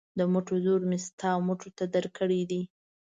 د مټو زور مې ستا مټو ته درکړی دی.